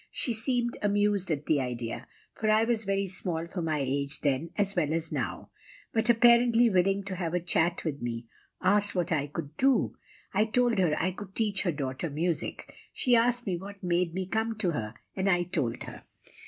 She seemed amused at the idea, for I was very small for my age then as well as now, but, apparently willing to have a chat with me, asked what I could do. I told her I could teach her daughter music. She asked me what made me come to her, and I told her.